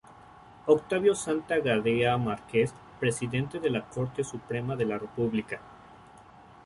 Octavo Santa Gadea Márquez, Presidente de la Corte Suprema de la República.